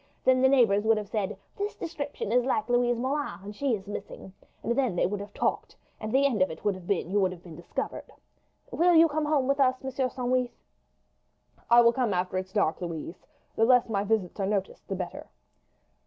Then the neighbours would have said, 'This description is like Louise Moulin, and she is missing;' and then they would have talked, and the end of it would have been you would have been discovered. Will you come home with us, Monsieur Sandwith?" "I will come after it's dark, Louise. The less my visits are noticed the better."